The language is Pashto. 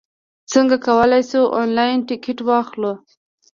څنګه کولای شو، انلاین ټکټ واخلو؟